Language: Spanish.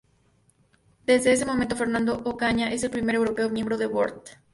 Desde ese momento Fernando Ocaña es el primer europeo miembro del Board